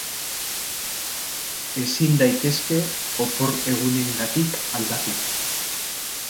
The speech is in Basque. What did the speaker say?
Ezin daitezke opor egunengatik aldatu.